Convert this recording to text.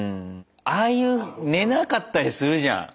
ああいう寝なかったりするじゃん。